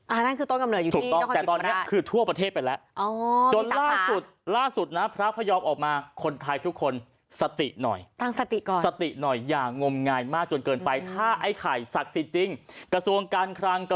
อ่านั่นคือต้นกำเนิดอยู่ที่นครจิตภรรณะ